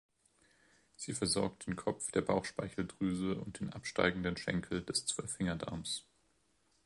Sie versorgt den Kopf der Bauchspeicheldrüse und den absteigenden Schenkel des Zwölffingerdarms.